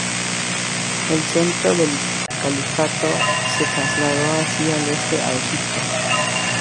El centro del califato se trasladó así al este, a Egipto.